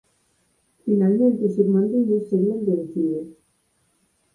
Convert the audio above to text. Finalmente os irmandiños serían vencidos.